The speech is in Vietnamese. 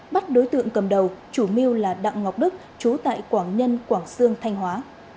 bắt đối tượng cầm đầu chủ mưu là đặng ngọc đức chú tại quảng nhân quảng sương thanh hóa